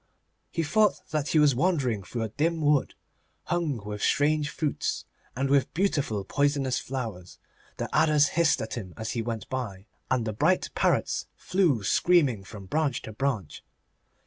He thought that he was wandering through a dim wood, hung with strange fruits and with beautiful poisonous flowers. The adders hissed at him as he went by, and the bright parrots flew screaming from branch to branch.